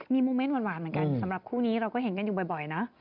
มีมูมเม้นวางเหมือนกันของคู่นี้เรามองบ่อยนะ